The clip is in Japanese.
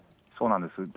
そうなんです。